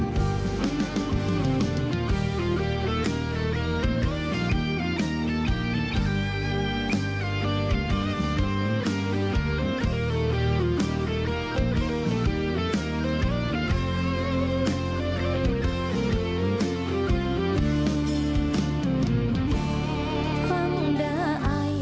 หักฮื่เกาแม่นเจ้าสิญางทางใด